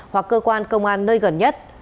hoặc cơ quan công an nơi gần nhất